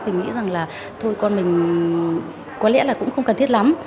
thì nghĩ rằng là thôi con mình có lẽ là cũng không cần thiết lắm